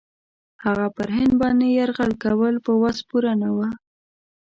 هغه پر هند باندي یرغل کول په وس پوره نه وه.